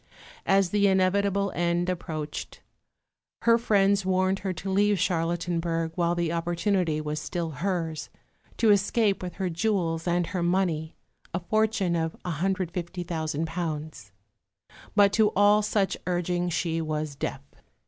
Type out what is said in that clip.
As the inevitable end approached, her friends warned her to leave Charlottenburg while the opportunity was still hers to escape with her jewels and her money (a fortune of £150,000) but to all such urging she was deaf.